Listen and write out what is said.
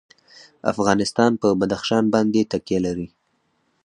افغانستان په بدخشان باندې تکیه لري.